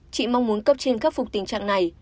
chị mong muốn cấp trên khắc phục tình trạng này